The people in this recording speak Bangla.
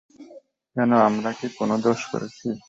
কেন, আমরা কি কোনো দোষ করেছি?